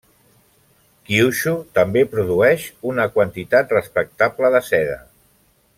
Kyushu també produeix una quantitat respectable de seda.